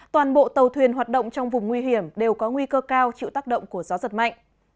toàn bộ tàu thuyền hoạt động trong vùng nguy hiểm đều có nguy cơ cao chịu tác động của gió giật mạnh